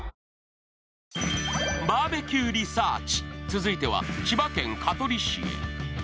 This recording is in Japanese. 続いては千葉県香取市へ。